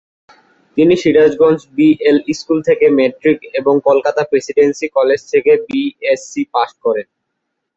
তিনি Sirajganj BL school থেকে matric এবং কলকাতা প্রেসিডেন্সি কলেজ থেকে বিএসসি পাস করেন।